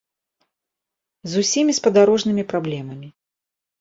З усімі спадарожнымі праблемамі.